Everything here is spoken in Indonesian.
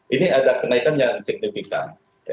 ini ada kenaikan yang signifikan